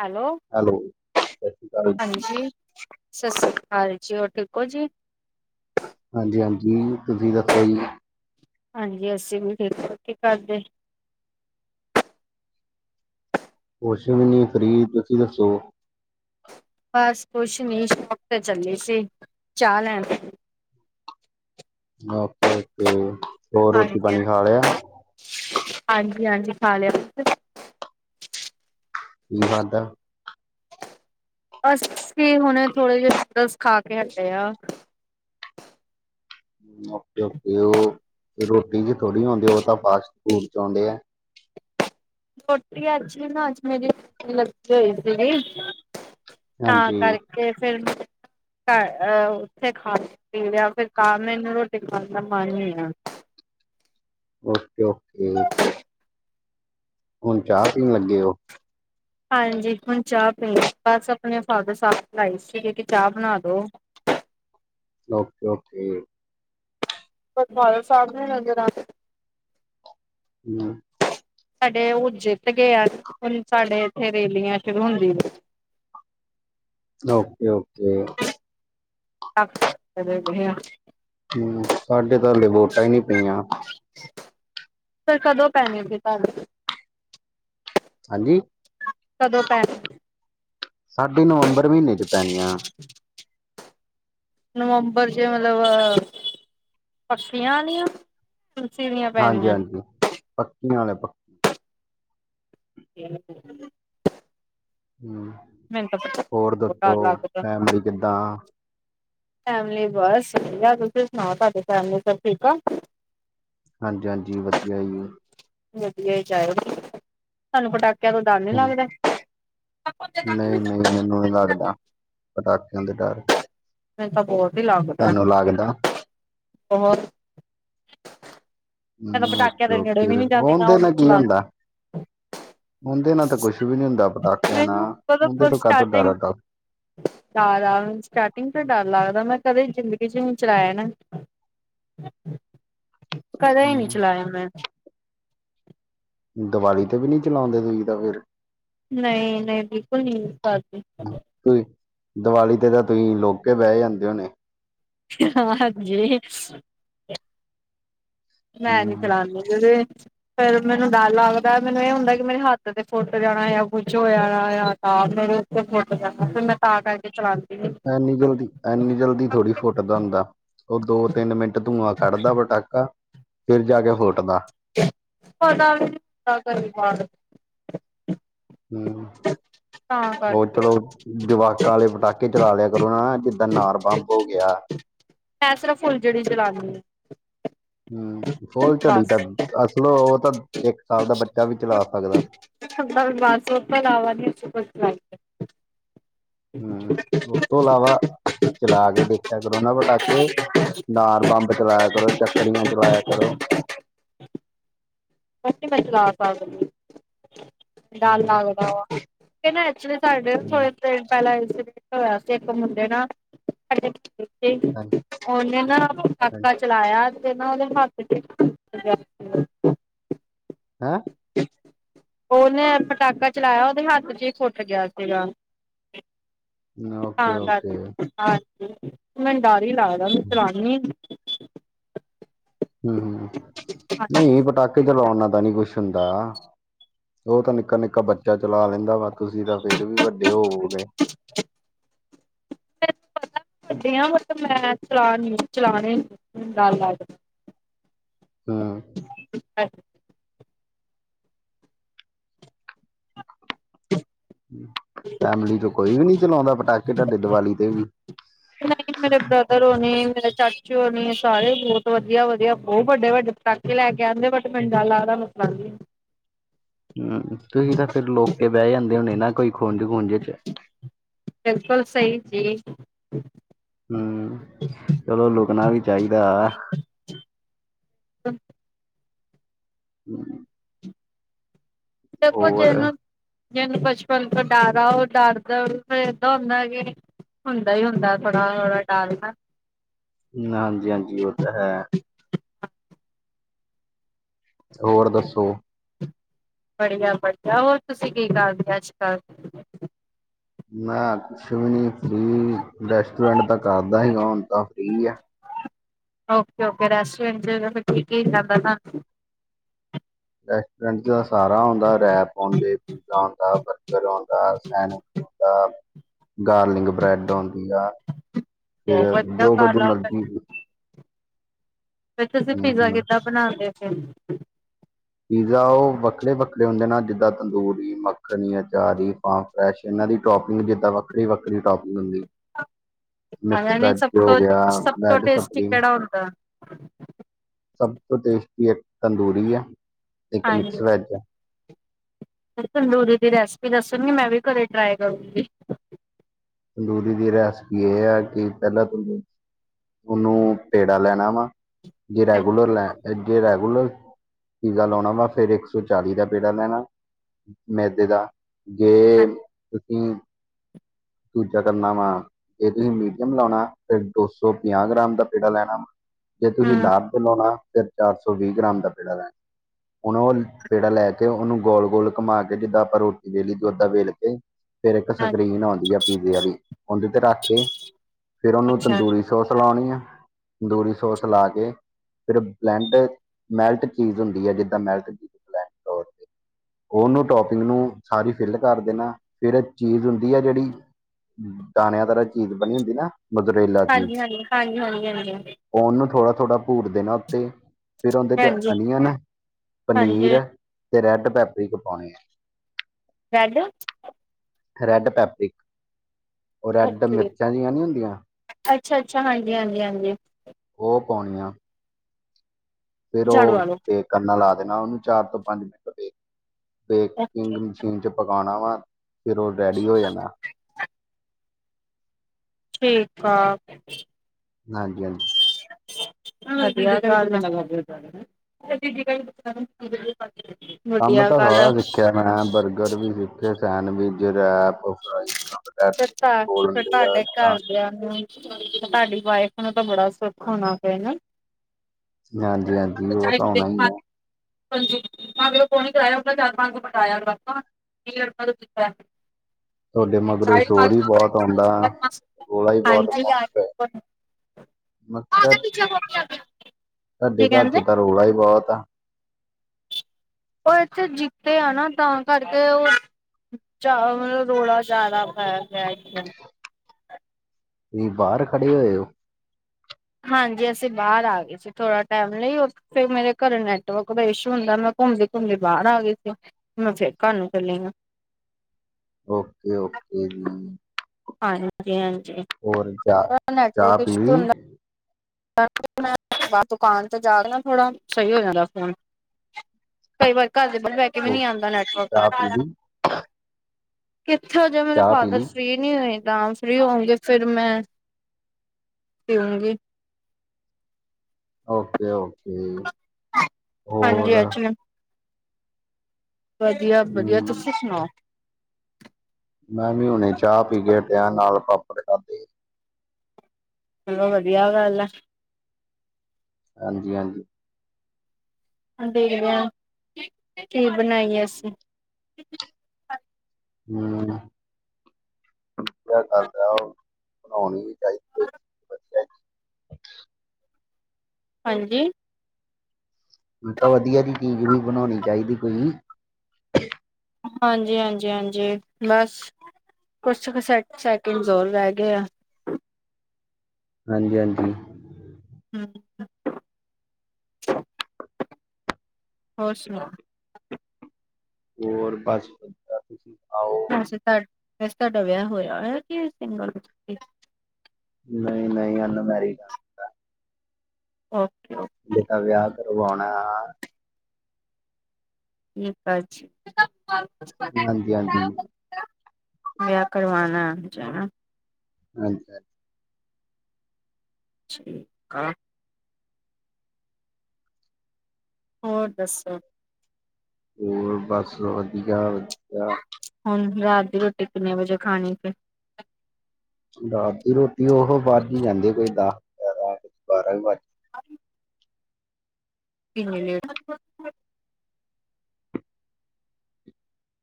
Hello hello ਸਤਿ ਸ਼੍ਰੀ ਅਕਾਲ ਹਾਂਜੀ ਸਤਿ ਸ੍ਰੀ ਅਕਾਲ ਜੀ ਹੋਰ ਠੀਕ ਹੋ ਜੀ ਹਾਂਜੀ ਹਾਂਜੀ ਤੁਸੀਂ ਦੱਸੋ ਜੀ ਹਾਂਜੀ ਅਸੀਂ ਵੀ ਠੀਕ ਕੀ ਕਰਦੇ ਕੁਛ ਵੀ ਨਹੀ ਫਰੀ ਤੁਸੀਂ ਦੱਸੋ ਬਸ ਕੁਛ ਨੀ ਸ਼ੌਪ ਤੇ ਚੱਲੀ ਸੀ ਚਾਹ ਲੈਣ ਓਕੇ ਓਕੇ ਹੋਰ ਰੋਟੀ ਹਾਂਜੀ ਪਾਣੀ ਖਾ ਲਿਆ ਹਾਂਜੀ ਹਾਂਜੀ ਖਾ ਲਿਆ ਜੀ ਖਾਦਾ ਅਸੀ ਹੁਣੇ ਥੋੜੇ ਜਿਹੇ ਨੂਡਲਸ ਖਾ ਕੇ ਹਟੇ ਆ ਓਕੇ ਓਕੇ ਉਹ ਰੋਟੀ ਚ ਥੋੜੀ ਆਉਂਦੀ ਉਹ ਤਾਂ ਫਾਸਟ ਫੂਡ ਚ ਆਉਂਦੇ ਆ ਰੋਟੀ ਅੱਛੀ ਨਾ ਅੱਜ ਮੇਰੀ ਲੱਗੀ ਹੋਈ ਸੀ। ਤਾਂ ਹਾਂਜੀ ਕਰਕੇ ਫਿਰ ਘ ਉੱਥੇ ਖਾ ਪੀ ਲਿਆ ਫਿਰ ਤਾਂ ਮੈਨੂੰ ਰੋਟੀ ਖਾਣ ਦਾ ਮਨ ਹੀ ਆ ਓਕੇ ਓਕੇ ਹੁਣ ਚਾਹ ਪੀਣ ਲੱਗੇ ਉਹ ਹਾਂਜੀ ਹੁਣ ਚਾਹ ਪੀਣੀ ਬਸ ਆਪਣੇ ਫਾਦਰ ਸਾਹਿਬ ਬਲਾਈ ਸੀਗੇ ਕਿ ਚਾਹ ਬਣਾ ਦੋ ਓਕੇ ਓਕੇ ਦਰਬਾਰ ਸਾਹਿਬ ਨੇ ਨਗਰ ਹਮ ਸਾਡੇ ਉਹ ਜਿੱਤ ਗਏ ਆ ਹੁਣ ਸਾਡੇ ਇੱਥੇ ਰੇਲੀਆਂ ਸ਼ੁਰੂ ਹੁੰਦੀਆਂ ਨੇ ਓਕੇ ਓਕੇ [unintelligible] ਹਮ ਸਾਡੇ ਤਾਂ ਹਲੇ ਵੋਟਾਂ ਹੀ ਨਹੀਂ ਪਈਆਂ ਫੇਰ ਕਦੋਂ ਪੈਨਿਆ ਅਗੇੇ ਘਰ ਹਾਂਜੀ ਕਦੋਂ ਪੈ ਸਾਢੇ ਨਵੰਬਰ ਮਹੀਨੇ ਚ ਪੈਣੀਆਂ [inaudible] ਨਵੰਬਰ ਚ ਮਤਲਬ ਪਕਿਆ ਆਲਿਆ [unintelligible] ਹਾਂਜੀ ਹਾਂਜੀ ਪੱਕੀਆਂ ਵਾਲਿਆ ਇਹ ਹਮ ਮੈਨੂੰ ਤਾਂ ਪਤਾ ਹੋਰ ਦੱਸੋ ਡਰ ਲੱਗਦਾ ਫੈਮਲੀ ਕਿੱਦਾਂ ਫੈਮਿਲੀ ਬਸ ਠੀਕ ਆ ਤੁਸੀਂ ਸੁਣਾਓ ਤੁਹਾਡੀ ਫੈਮਿਲੀ ਸਭ ਠੀਕ ਆ ਹਾਂਜੀ ਹਾਂਜੀ ਵਧੀਆ ਜੀ ਵਧੀਆ ਹੀ ਚਾਹੀਦੀ ਤਾਂਨੂੰ ਪਟਾਕਿਆਂ ਤੋਂ ਦਰ ਨੀ ਹਾਂਜੀ, ਲੱਗਦਾ ਨਹੀਂ ਨਹੀਂ ਮੈਨੂੰ ਨੀ ਲੱਗਦਾ ਪਟਾਕਿਆਂ ਤੋਂ ਡਰ ਮੈਨੂੰ ਤਾਂ ਬਹੁਤ ਹੀ ਲੱਗਦਾ ਤੁਹਾਨੂੰ ਲੱਗਦਾ ਹੋਰ ਮੈਂ ਤਾਂ ਹਮ ਪਟਾਕਿਆਂ ਓਕੇ ਦੇ ਨੇੜੇ ਵੀ ਓਕੇ ਨੀ ਜਾਂਦੀ ਨਾ ਓਦੇ ਉਹਨੂੰ ਨਾਲ ਕੀ ਚਲਾ ਹੁੰਦਾ ਉਹਦੇ ਨਾਲ ਤਾਂ ਕੁਛ ਵੀ ਨੀ ਹੁੰਦਾ ਪਟਾਕਿਆਂ ਮੈਨੂੰ ਨਾਲ ਉਹਦੇ ਮਤਲਬ ਤੋਂ ਕਾ ਤੋਂ ਸਟਾਰਟਿੰਗ ਡਰ ਸਟਾਰਟਿੰਗ ਤੋਂ ਡਰ ਲੱਗਦਾ ਮੈਂ ਕਦੇ ਜ਼ਿੰਦਗੀ ਚ ਚਲਾਇਆ ਨਾ ਕਦੇ ਹੀ ਨਹੀਂ ਹਮ, ਚਲਾਇਆ ਮੈਂ ਦੀਵਾਲੀ ਤੇ ਵੀ ਨੀ ਚਲਾਉਂਦੇ ਸੀ ਤਾਂ ਫੇਰ ਨਹੀਂ ਨਹੀਂ ਬਿਲਕੁਲ ਨੂੰ ਕਰ ਤੁਸੀਂ ਦੀਵਾਲੀ ਤੇ ਤਾਂ ਤੁਸੀਂ ਲੋਕ ਬਹਿ ਜਾਂਦੇ ਹੋਣੇ। ਹਾਂ, ਹਾਂਜੀਜੀ। ਮੈਂ ਨੀ ਹਮ ਚੱਲਾਂਦੀ ਦੀਦੀ। ਫੇਰ ਮੈਨੂੰ ਡਰ ਲੱਗਦਾ ਮੈਨੂੰ ਇਹ ਹੁੰਦਾ ਕਿ ਮੇਰੇ ਹੱਥ ਤੇ ਫੁੱਟ ਜਾਣਾ ਜਾਂ ਕੁੱਝ ਹੋ ਜਾਣਾ। ਤਾਂ ਫ ਕੱਟ ਫਿਰ ਮੈਂ ਤਾਂ ਕਰਹਿ ਕੇ ਚਲਾਉਂਦੀ ਸੀ। ਇੰਨੀ ਜਲਦੀ, ਇੰਨੀ ਜਲਦੀ ਥੋੜੀ ਫੁਟ ਦਾ ਹੁੰਦਾ। ਉਹ ਦੋ -ਤਿੰਨ ਮਿੰਟ ਧੂੰਆਂ ਖੜਦਾ ਪਟਾਕਾ। ਫਿਰ ਜਾ ਕੇ ਫੁੱਟਦਾ। ਪਤਾ ਵੀ [unintelligible] ਪ ਕਰ ਹਮ। ਤਾਂ ਉਹ ਕਰਕੇ ਚਲੋ, ਜਵਾਕਾਂ ਵਾਲੇ ਪਟਾਕੇ ਚਲਾ ਲਿਆ ਕਰੋ ਨਾ ਜਿੱਦਾਂ ਅਨਾਰ ਬੰਬ ਹੋ ਗਿਆ। ਮੈਂ ਸਿਰਫ ਫੁੱਲ ਜਹੜੀ ਜਲਉਾਨੀ ਹੈ। ਹਮ, ਫੋਲ ਝੜੀ ਤਾਂ ਅਸਲ ਉਹ ਤਾਂ ਇੱਕ ਸਾਲ ਦਾ ਬੱਚਾ ਵੀ ਚਲਾ ਸਕਦਾ। ਬਸ ਪਰ ਆਵਾ ਦੀ [unintelligible] ਸੁਖ ਲ ਹਮ, ਉਸ ਤੋਂ ਇਲਾਵਾ ਚਲਾ ਕੇ ਦੇਖਿਆ ਕਰੋ ਨਾ ਪਟਾਕੇ। ਅਨਾਰ ਬੰਬ ਚਲਾਇਆ ਕਰੋ। ਚੱਕਰੀਆਂ ਚਲਾਇਆ ਕਰੋ। ਮੈ ਕਰ ਲੈਣੀ ਆ ਡਰ ਹਮ ਲਗਦਾ ਵਾ। ਕਿੰ ਐਕਚੁਲੀ ਸਾਡੇ ਥੋ ਹਮ ਦਿਨ ਪਹਿਲਾਂ ਇਸ ਹੋਇਆ ਸੀ ਇੱਕ ਮੁੰਡੇ ਨਾ। ਸਾ ਤੇ ਹਾਂਜੀ ਉਹਨੇ ਨਾ ਹਾਂਜੀ ਪਟਾਕਾ ਚਲਾਇਆ ਤੇ ਨਾ ਉਹਦੇ ਹੱਥ ਚ' ਹੈਂ। ਅ [inaudible] ਉਹਨੇ ਪਟਾਕਾ ਚਲਾਇਆ ਉਹਦੇ ਹੱਥ ਚ' ਹੀ ਫੁੱਟ ਗਿਆ ਸੀਗਾ। ਹੈਂ ਓਕੇ ਕਰ ਓਕੇ ਹਾਂਜੀ। ਮੈ ਡਰ ਹੀ ਲਗਦਾ [unintelligible] ਚੀ ਹਮ- ਹਮ ਹਾਂਜੀ ਨਹੀਂ ਪਟਾਕੇ ਤੇ ਲਵਾਉਣਨਾ ਤਾਂ ਨਹੀਂ ਕੁਛ ਹੁੰਦਾ। ਉਹ ਤਾਂ ਨਿੱਕਾ- ਨਿੱਕਾ ਬੱਚਾ ਚਲਾ ਲੈਂਦਾ ਵਾ। ਤੁਸੀਂ ਤਾਂ ਫੇਰ ਵੀ ਵੱਡੇ ਹੋਵੋਗੇ। ਮਤਲਬ ਮੈਂ ਚਲਾਨ- ਚਲਾਣੇ ਡਰ ਲੱਗ ਹਾਂ। ਅੱਗ। ਫੈਮਲੀ ਚ' ਕੋਈ ਵੀ ਨੀ ਚਲਾਉਂਦਾ ਪਟਾਕੇ ਤੁਹਾਡੇ ਦੀਵਾਲੀ ਤੇ ਵੀ। ਨਹੀਂ ਮੇਰੇ ਬ੍ਰਦਰ ਹੋਣੇ, ਮੇਰੇ ਚਾਚ ਚੋਨੇ ਸਾਰੇ ਬਹੁਤ ਵਧੀਆ- ਵਧੀਆ ਬਹੁਤ ਵੱਡੇ- ਵੱਡੇ ਪਟਾਕੇ ਲੈ ਕੇ ਆਉਂਦੇ ਬਟ ਮੈਨੂ ਡਰ ਲੱਗਦਾ। ਮਤਲਬ ਹਮ, ਤੁਸੀਂ ਤਾਂ ਫੇਰ ਲੋਕ ਬਹਿ ਜਾਂਦੇ ਹੋਣੇ ਨਾ ਕੋਈ ਖੂੰਜ- ਖੂੰਜੇ ਚ' ਬਿਲਕੁਲ ਸਹੀ ਜੀ। ਹਮ, ਚਲੋ ਲੁਕਣਾ ਵੀ ਚਾਹੀਦਾ। ਹੂੰ। ਜ ਕੋ ਹੋਰ ਜਨ [unintelligible] ਜਿਹਨੂੰ ਬਚਪਨ ਤੋਂ ਡਰ ਆ ਉਹ ਡਰਦਾ ਫੇਰ ਏਦਾਂ ਹੁੰਦਾ ਹੈ ਕਿ ਹੁੰਦਾ ਹੀ ਹੁੰਦਾ ਥੋੜਾ ਡਰਦਾ। ਹਾਂਜੀ- ਹਾਂਜੀ ਉਹ ਤਾਂ ਹੈ। ਹੋਰ ਦੱਸੋ? ਬੜੀਆ- ਬੜੀਆ ਹੋਰ ਤੁਸੀਂ ਕੀ ਕਰਦੇ ਅੱਜ ਕੱਲ? ਮੈਂ ਕੁਛ ਵੀ ਨੀ ਫ੍ਰਰੀ ਰੈਸਟੋਰੈਂਟ ਤਾਂ ਕਰਦਾ ਸੀਗਾ ਹੁਣ ਤਾਂ ਫ੍ਰਰੀ ਆ। ਓਕੇ- ਓਕੇ ਰੈਸਟੋਟ ਚ' ਠੀਕ ਜਾਂਦਾ ਸਾਨੂੰ। ਰੈਸਟੋਰੈਂਟ ਚ' ਤਾਂ ਸਾਰਾ ਹੁੰਦਾ ਰੈਪ ਹੋਦੇ, ਪੀਜ਼ਾ ਹੁੰਦਾ, ਬਰਗਰ ਹੋਦਾ। ਸੈਨ ਗਾਰਲਿੰਗ ਬ੍ਰੈਡ ਹੁੰਦੀ ਆ। ਬਹੁਤ ਫਿਰ ਵਧੀਆ ਜੋ ਵਜ ਗੱਲ ਆ ਫਿਰ। ਮਰਜ਼ੀ। ਵਿੱਚ ਅਸੀਂ ਹੂੰ ਪੀਜ਼ਾ ਹੂੰ ਕਿੱਦਾਂ ਬਣਾਦੇ ਫਿਰ। ਪੀਜ਼ਾ ਉਹ ਵੱਖਰੇ- ਵੱਖਰੇ ਹੁੰਦੇ ਨਾ ਜਿੱਦਾਂ ਤੰਦੂਰੀ, ਮੱਖਣੀ, ਅਚਾਰੀ। ਆਪਾਂ ਫਰੈਸ਼ ਇਹਨਾਂ ਦੀ ਟੋਪਿੰਗ ਜਿੱਦਾਂ ਵੱਖਰੀ -ਵੱਖਰੀ ਟੋਪਿੰਗ ਹੁੰਦੀ। ਮਿਕਸ ਆਹ ਨਹੀਂ ਵੈਜ ਸਭ ਹੋ ਤੋਂ ਗਿਆ, ਸਭ ਤੋਂ ਵੈਜ ਟੇਸਟੀ ਸਪਲੀ ਕਿਹੜਾ ਹੁੰਦਾ? ਸਬ ਤੋਂ ਟੇਸਟੀ ਏਕ ਤੰਦੂਰੀ ਆ। ਹਾਂਜੀ। ਤੰਦੂਰੀ ਦੀ ਰੈਸਪੀ ਦੱਸੋਗੇ ਮੈਂ ਵੀ ਘਰੇ ਟ੍ਰਾਏ ਕਰੂਂਗੀ। ਤੰਦੂਰੀ ਦੀ ਰੈਸਪੀ ਏ ਆ ਕਿ, ਪੈਲਾਂ ਤੂੰਸੀ ਓਨੂੰ ਪੇੜਾ ਲੈਣਾ ਵਾ ਜੇ ਹਮ ਰੈਗੂਲਰ ਲੈ ਜੇ ਰੈਗੂਲਰ ਪੀਜ਼ਾ ਲਾਓਣਾ ਵਾ, ਫੇਰ ਇੱਕ ਸੌ ਚਾਲੀ਼ ਦਾ ਪੇੜਾ ਲੈਣਾ ਮੈਦੇ ਦਾ, ਜੇ ਤੁਸੀਂ ਦੂਜਾ ਕਰਨਾ ਵਾ, ਜੇ ਤੁਸੀਂ ਮੀੜੀਅਮ ਲਾਔਣਾ ਫੇਰ ਦੋ ਸੋ ਪੰਜਾਹ ਗ੍ਰਾਮ ਦਾ ਪੇੜਾ ਲੈਣਾ ਵਾ। ਜੇ ਤੁਸੀਂ ਲਾਰਜ ਬਣੌਣਾ ਫੇਰ ਚਾਰ ਸੌ ਵੀ ਗ੍ਰਾਮ ਦਾ ਪੇੜਾ ਲੈਣਾ। ਹੂਣ ਓ, ਪੇੜਾ ਲੈ ਕੇ ਓਨੂੰ ਗੋਲ-ਗੋਲ਼ ਘਮਾ ਕੇ ਜਿੱਦਾਂ ਆਪਾਂ ਰੋਟੀ ਵੇਲੀ ਦੀ ਓਦਾਂ ਵੇਲ ਕੇ ਫੇਰ ਏਕ ਸਕਰੀਨ ਆਉਂਦੀ ਆ ਪੀਜ਼ੇ ਵਾਲੀ, ਓਦੇ ਤੇ ਰਾੱਖ ਕੇ ਫੇਰ ਓਨੂੰ ਅੱਛਾ। ਤੰਦੂਰੀ ਸੋਸ ਲਾਊਣੀ ਆ, ਦੂਰੀ ਸੋਸ ਲਾ ਕੇ ਫੇਰ ਬਲੈਂਡ ਮੈਲਟ ਚੀਜ਼ ਹੁੰਦੀ ਆ, ਜਿੱਦਾਂ ਮੈਲਟ ਚੀਜ਼ ਬਲੈਂ ਓਨੂੰ ਟੋਪਿੰਗ ਨੂੰ ਸਾਰੀ ਫਿਲ ਕਰ ਦੇਣਾ, ਫਿਰ ਚੀਜ਼ ਹੁੰਦੀ ਆ ਜੇੜੀ ਦਾਣੇਆਂਦਾਰ ਚੀਜ ਬਣੀ ਹੁੰਦੀ ਨਾ, ਮਦਰੇਲਾ ਚੀਜ ਹਾਂਜੀ ਹਾਂਜੀ ਹਾਂਜੀ ਹਾਂਜੀ ਹਾਂਜੀ ਕੋਨ ਨੂੰ ਥੋੜਾ-ਥੋੜਾ ਭੂਰ ਦੇਨਾ ਉੱਤੇ ਫੇਰ ਓਂਦੇ ਚ ਹਾਂਜੀ ਅਨੀਅਨ, ਹਾਂਜੀ ਪਨੀਰ ਤੇ ਰੈਡ ਪੈਪਰੀ ਕ ਪਾਊਣੀ ਆ। Red red paprika. ਓ ਰੈਡ ਓਕੇ ਮਿਰਚਾਂ ਜਿਆਂ ਨੀ ਹੁੰਦੀਆਂ ਅੱਛਾ ਅੱਛਾ ਹਾਂਜੀ ਹਾਂਜੀ ਹਾਂਜੀ ਓ ਪਾਉਣੀਆਂ। ਫੇਰ ਝਾੜੂ ਓ, ਵਾਲੋ ਬੇਕ ਕਰਨਾ ਲਾ ਦੇਨਾ ਓਨੂੰ ਚਾਰ ਤੋਂ ਪੰਜ ਮਿੰਟ ਤੇ। ਬੇਕਿੰਗ ਓਕੇ ਮਸ਼ੀਨ ਚ ਪਕਾਣਾ ਵਾ, ਫੇਰ ਓ ਰੈੜੀ ਹੋ ਜਾਣਾ। ਠੀਕ ਆ। ਹਾਂਜੀ-ਹਾਂਜੀ। [unintelligible] [unintelligible] ਕੰਮ ਤਾਂ ਗੱਲ ਆ ਸਾਰਾ ਸਿੱਖੇਆ ਮੈਂ, ਬਰਗਰ ਵੀ ਸਿੱਖੇ ਸੈਂਡਵਿਚ, ਰੈਪ, ਫਰਾਈ ਫਿਰ ਤਾ, ਬੋਲਣ ਫੇਰ ਦੇ ਆ ਤੁਹਾਡੇ ਤਾਂ ਘਰਦੇਆਂ ਦੀ ਤੁਆਡੀ ਵਾਏਫ ਨੂੰ ਤਾਂ ਬੜਾ ਸੁੱਖ ਹੋਨਾ ਫੇਰ ਨਾ? ਹਾਂਜੀ-ਹਾਂਜੀ, ਓ ਤਾਂ ਹੋਣਾ ਈ ਆ। ਹਾਂਜੀ, ਮੈਂ ਫੇਰ ਫੋਨ ਕਰਵਾਇਆ ਆਪਨਾ ਚਾਰ ਪੰਜ ਸੌ ਕਰਾਏਆ ਦਾਸਤਾ। [unintelligible] ਤੁਆਡੇ ਮਗਰੋਂ ਸ਼ੋਰ ਵੀ ਬੋਤ ਆਊਂਦਾ, ਰੋਲਾ਼ ਵੀ ਬੋਤ ਕੀ ਪਾਉਂਦੇ ਪਏ। [unintelligible] [unintelligible] ਤੁਆਡੇ ਘਰ ਕਹਿੰਦੇ? ਚ ਤਾਂ ਰੌਲਾ ਈ ਬੋਤ ਆ। ਓ ਏਥੇ ਜਿੱਤੇ ਆ ਨਾ ਤਾਂ ਕਰਕੇ ਓ ਚਾ ਮਲਬ ਰੌਲਾ ਜਾਦਾ ਪੈ ਗੇਆ ਐ [inaudible] ਤੁਸੀਂ ਬਾਰ ਖੜੇ ਹੋਏ ਓ? ਹਾਂਜੀ, ਅਸੀਂ ਬਾਰ ਆ ਗੇ। ਥੋੜਾ ਟੈਮ ਲਈ ਫੇਰ ਮੇਰੇ ਘਾਰ ਨੈਟਵਕ ਦਾ ਇਸ਼ੂ ਹੁੰਦਾ, ਮੈਂ ਘੁੰਮਦੀ-ਘੁੰਮਦੀ ਬਾਰ ਆ ਗੀ ਸੀ। ਮੈਂ ਫੇਰ ਘਰ ਨੂੰ ਕੱਲੀ ਆਂ। ਓਕੇ-ਓਕੇ ਜੀ। ਹਾਂਜੀ-ਹਾਂਜੀ ਹੋਰ ਚਾਹ ਓ ਚਾਹ ਨੈਟਵਕ ਪੀ ਈਸੂ਼ ਲਈ ਮੈਂ ਦੁਕਾਨ ਤੇ ਜਾ ਕੇ ਨਾ ਥੋੜ੍ਹਾ ਸਹੀ ਹੋ ਜਾਂਦਾ ਫੋਨ਼। ਕਈ ਵਾਰ ਘਾਰ ਦੇ ਬਾਰ ਬੈਹ ਕੇ ਵੀ ਨੀ ਆਦਾ ਓਕੇ ਚਾਹ ਪੀ ਨੈਟਵਰਕ। ਲਈ ਕਿੱਥੇ ਜੇ ਮੇਰੇ ਚਾਹ ਪੀ ਫਾਦਰ ਲਈ ਸੀ ਨਈ ਹੋਏ ਗਾ, ਫ੍ਰੀ ਹੋਊਂਗੀ ਫਿਰ ਮੈਂ। ਓਕੇ ਓਕੇ ਹਾਂਜੀ ਹੋਰ ਅੱਜ ਵਧੀਆ ਵਧੀਆ ਹੂੰ ਤੁਸੀ ਸੁਣਾਓ ਮੈਂ ਵੀ ਹੁਣੇ ਚਾਹ ਪੀ ਕੇ ਹਟਿਆ ਨਾਲ ਪਾਪੜ ਖਾ ਚਲੋ ਵਧੀਆ ਗੱਲ ਆ ਹਾਂਜੀ ਹਾਂਜੀ ਦੇਖ ਦੇ ਕੀ ਬਣਾਈ ਏ ਅਸੀਂ ਹਮ ਵਧੀਆ ਗਲ ਉਹ ਬਣਾਉਣੀ ਵੀ ਚਾਹੀਦੀ ਕੋਈ ਹੋਰ ਚੀਜ਼ ਵਧੀਆ ਜੀ। ਹਾਂਜੀ ਮੈ ਕਿਹਾ ਵਧੀਆ ਜਿਹੀ ਚੀਜ਼ ਵੀ ਬਣਾਉਣੀ ਚਾਹੀਦੀ ਕੋਈ ਹਾਂਜੀ ਹਾਂਜੀ ਹਾਂਜੀ ਬਸ ਕੁਛ ਕ ਸੈਕਿੰਡ ਹੋਰ ਰਹਿ ਗਏ ਆ ਹਾਂਜੀ ਹਾਂਜੀ ਹਮ ਹੋਰ ਸੁਨਾਓ ਹੋਰ ਬਸ ਠੀਕ ਆ ਤੁਸੀਂ ਸਨਾਓ ਵੈਸੇ ਤੁਹਾਡਾ ਵਿਆਹ ਹੋਇਆ ਕਿ ਸਿੰਗਲ ਨਹੀਂ ਨਹੀਂ ਅਨ ਮੈਰੈੱਡ ਓਕੇ ਓਕੇ ਹਜੇ ਤਾਂ ਵਿਆਹ ਕਰਵਾਉਣਾ ਆ ਠੀਕ ਅ ਹਾਂਜੀ ਹਾਂਜੀ ਵਿਆਹ ਕਰਵਾਂ ਨਾ ਹਜੇ [unintelligible] [unintelligible] ਹੋਰ ਦੱਸੋ ਹੋਰ ਬਸ ਵਧੀਆ ਵਧੀਆ ਹੁਣ ਰਾਤ ਦੀ ਰੋਟੀ ਕਿੰਨੇ ਵਜੇ ਖਾਣੀ ਫੇਰ ਰਾਤ ਦੀ ਰੋਟੀ ਉਹ ਵਜ ਜਾਂਦੀ ਕੋਈ ਦਸ ਗਿਆਰਾਂ ਬਾਰਾਂ ਵਜ [unintelligible] [unintelligible]